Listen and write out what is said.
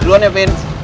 luan ya vin